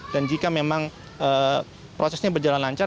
dan jika memang prosesnya berjalan lancar